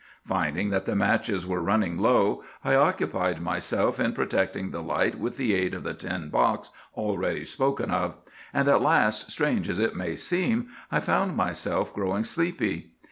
Finding that the matches were running low, I occupied myself in protecting the light with the aid of the tin box already spoken of. And at last, strange as it may seem, I found myself growing sleepy.